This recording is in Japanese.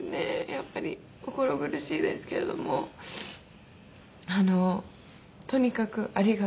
やっぱり心苦しいですけれどもとにかく「ありがとう。